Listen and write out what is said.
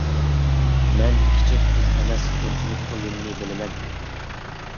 -مەن كېچىك قىز ئەمەس، بۇنچىلىك ئويۇننى بېلىمەن.